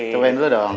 cobain dulu dong